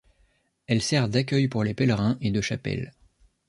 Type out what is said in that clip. Elle sert d'accueil pour les pèlerins et de chapelle.